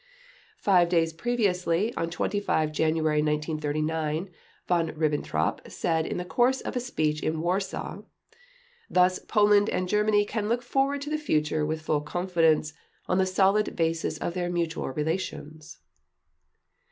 Five days previously, on 25 January 1939, Von Ribbentrop said in the course of a speech in Warsaw: "Thus Poland and Germany can look forward to the future with full confidence in the solid basis of their mutual relations."